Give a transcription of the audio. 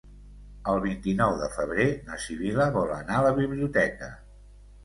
El vint-i-nou de febrer na Sibil·la vol anar a la biblioteca.